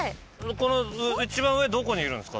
この一番上どこにいるんですか？